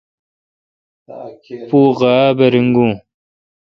پو غاب ریگون۔